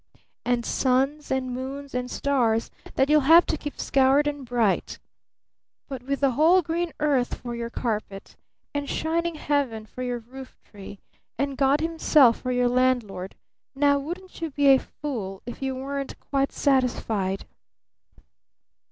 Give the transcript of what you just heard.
And suns and moons and stars that you'll have to keep scoured and bright! But with the whole green earth for your carpet, and shining heaven for your roof tree, and God Himself for your landlord, now wouldn't you be a fool, if you weren't quite satisfied?'"